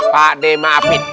pak d maafin